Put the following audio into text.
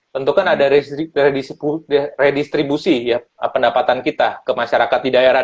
tentukan ada redistribusi ya pendapatan kita ke masyarakat di daerah